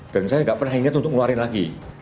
dan saya gak pernah inget untuk ngeluarin lagi